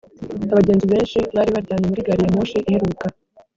abagenzi benshi bari baryamye muri gari ya moshi iheruka.